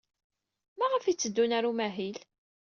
Maɣef ay tteddun ɣer umahil?